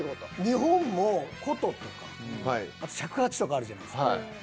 日本も琴とかあと尺八とかあるじゃないですか。